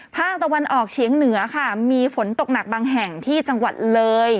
ภาคตะวันออกเฉียงเหนือค่ะมีฝนตกหนักบางแห่งที่จังหวัดเลย